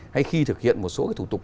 hay khi thực hiện một số cái thủ tục